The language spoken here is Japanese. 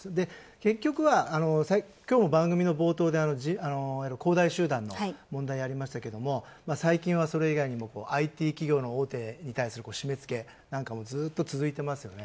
結局はきょうの番組の冒頭で恒大集団の問題ありましたけれども最近は、それ以外にもＩＴ企業の大手に対する締めつけなんかもずっと続いてますよね。